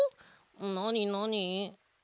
なになに？